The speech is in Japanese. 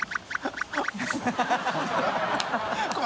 ハハハ